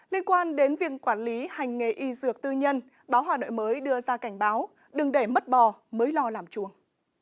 liên quan đến việc quản lý hành nghề y dược tư nhân báo hà nội mới đưa ra cảnh báo đừng để mất bò mới lo làm chuồng